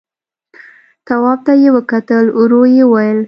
تواب ته يې وکتل، ورو يې وويل: